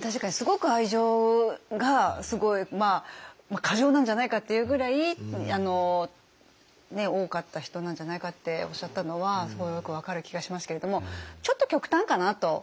確かにすごく愛情がすごい過剰なんじゃないかっていうぐらい多かった人なんじゃないかっておっしゃったのはすごいよく分かる気がしますけれどもちょっと極端かなと。